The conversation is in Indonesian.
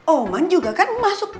oman juga kan masuk